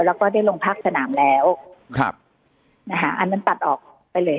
แล้วก็ได้ลงพักสนามแล้วครับนะคะอันนั้นตัดออกไปเลย